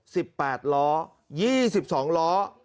สิบแปดล้อยี่สิบสองล้อ